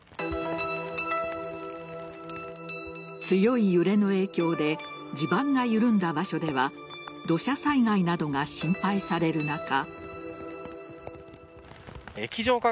強い揺れの影響で地盤が緩んだ場所では土砂災害などが心配される中。